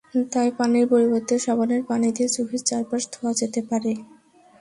তাই পানির পরিবর্তে সাবানের পানি দিয়ে চোখের চারপাশ ধোয়া যেতে পারে।